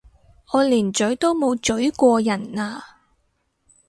我連咀都冇咀過人啊！